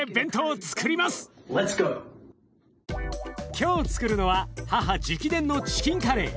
今日つくるのは母直伝のチキンカレー。